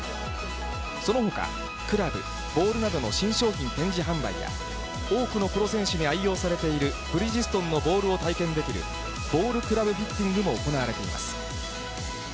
そのほか、クラブ、ボールなどの新商品展示販売や、多くのプロ選手に愛用されているブリヂストンのボールを体験できる、ボールクラブフィッティングも行われています。